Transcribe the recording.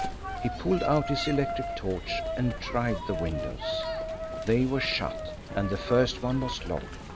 He pulled out his electric torch and tried the windows. They were shut, and the first one was locked.